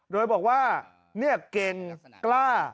โดยบอกว่าเก่งกล้า